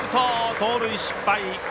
盗塁失敗！